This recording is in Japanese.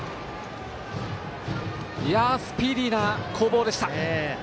スピーディーな攻防でした。